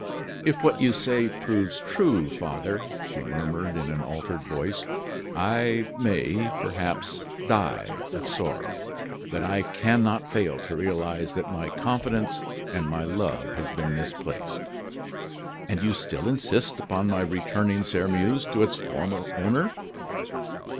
"If what you say proves true, father," she murmured, in an altered voice, "I may, perhaps, die of sorrow; but I cannot fail to realize that my confidence and my love has been misplaced." "And you still insist upon my returning Sairmeuse to its former owner?"